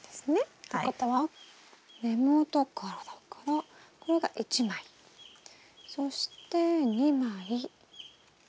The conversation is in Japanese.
ってことは根元からだからこれが１枚そして２枚３枚。